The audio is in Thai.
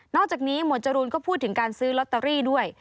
อกจากนี้หมวดจรูนก็พูดถึงการซื้อลอตเตอรี่ด้วย